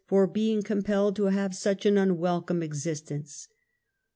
for being compelled to have such an unwelcome ex istence.